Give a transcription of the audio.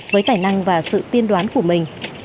với tài năng và sự tiên đoán của mấy người